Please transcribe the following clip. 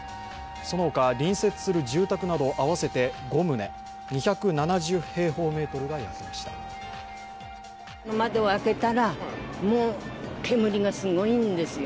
その他、隣接する住宅など合わせて５棟、２７０平方メートルが焼けました。